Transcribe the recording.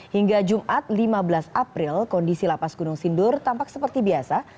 hingga jumat lima belas april kondisi lapas gunung sindur tampak seperti biasa